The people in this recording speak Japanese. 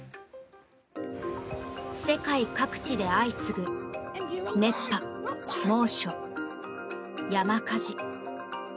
世界各地で相次ぐ熱波、猛暑、山火事。